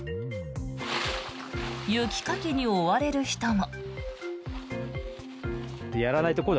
雪かきに追われる人も。